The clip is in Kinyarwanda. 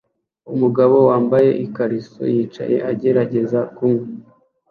Umugabo wambaye ikariso yicaye agerageza kunywa